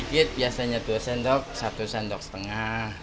dikit biasanya dua sendok satu sendok setengah